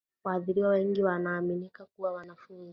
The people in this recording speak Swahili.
Waathiriwa wengi wanaaminika kuwa wanafunzi